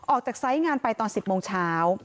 ออกจากไซส์งานไปตอน๑๐โมงเช้า